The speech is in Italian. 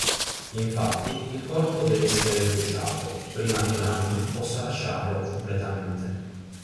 Infatti, il corpo deve essere bruciato prima che l'anima possa lasciarlo completamente.